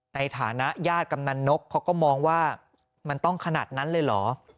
ในฐานะญาติกำนันนกเขาก็มองว่ามันต้องขนาดนั้นเลยเหรอ